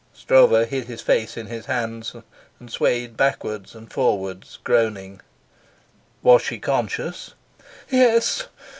Stroeve hid his face in his hands and swayed backwards and forwards, groaning. "Was she conscious?" "Yes.